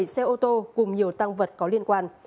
một mươi bảy xe ô tô cùng nhiều tăng vật có liên quan